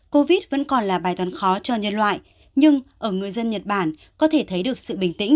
covid vẫn còn là bài toán khó cho nhân loại nhưng ở người dân nhật bản có thể thấy được sự bình tĩnh